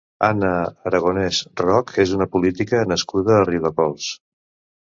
Anna Aragonès Roc és una política nascuda a Riudecols.